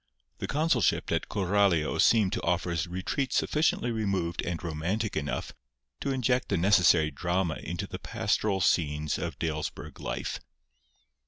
The consulship at Coralio seemed to offer a retreat sufficiently removed and romantic enough to inject the necessary drama into the pastoral scenes of Dalesburg life.